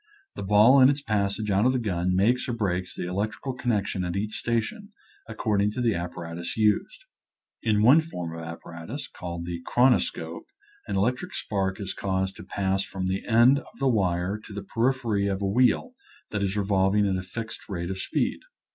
The ball in its passage out of the gun makes or breaks the electrical connection at each station, ac cording to the apparatus used. In one form of apparatus, called the chron oscope, an electric spark is caused to pass from the end of the wire to the periphery of a wheel that is revolving at a fixed rate of speed.